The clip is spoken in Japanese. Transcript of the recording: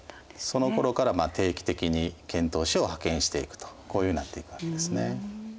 そのころから定期的に遣唐使を派遣していくとこういうふうになっていくわけですね。